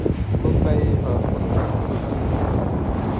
موږ به یې په خپلو لاسونو جوړ کړو.